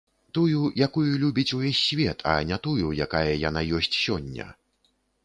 Тую, якую любіць увесь свет, а не тую, якая яна ёсць сёння.